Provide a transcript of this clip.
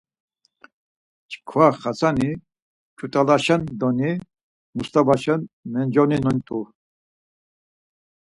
Çkva Xasani tzut̆alaşendoni Mustavaşen menceloni t̆u.